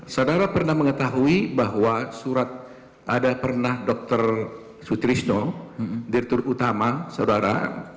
saudara pernah mengetahui bahwa surat ada pernah dr sutrisno direktur utama saudara